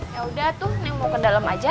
yaudah tuh neng mau ke dalam aja